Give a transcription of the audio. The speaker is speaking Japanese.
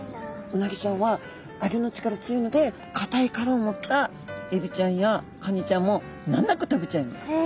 うなぎちゃんはあごの力強いのでかたいからを持ったエビちゃんやカニちゃんも難なく食べちゃいます。